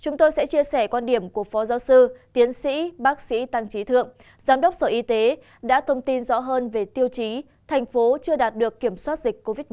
chúng tôi sẽ chia sẻ quan điểm của phó giáo sư tiến sĩ bác sĩ tăng trí thượng giám đốc sở y tế đã thông tin rõ hơn về tiêu chí thành phố chưa đạt được kiểm soát dịch covid một mươi chín